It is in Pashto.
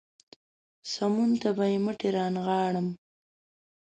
سمون ته به يې مټې رانغاړم.